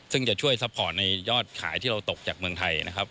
ซึ่งจะช่วยซัพพอร์ตในยอดขายที่เราตกจากเมืองไทยนะครับ